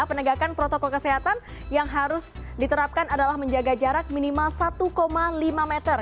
penegakan protokol kesehatan yang harus diterapkan adalah menjaga jarak minimal satu lima meter